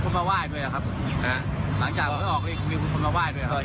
เห็นคนมาว่ายด้วยหรอครับหลังจากไม่ออกก็ยังมีคนมาว่ายด้วยหรอครับ